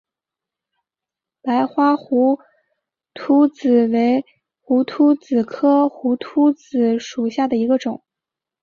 白花胡颓子为胡颓子科胡颓子属下的一个种。